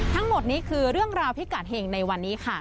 ทั้งหมดนี้คือเรื่องราวพิกัดเห็งในวันนี้ค่ะ